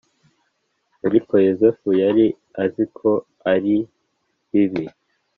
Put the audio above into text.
ariko Yozefu yari azi ko ari bibi